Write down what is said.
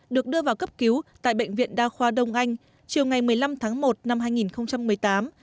được đưa vào cấp cứu tại bệnh viện đa khoa đông anh chiều ngày một mươi năm tháng một năm hai nghìn một mươi tám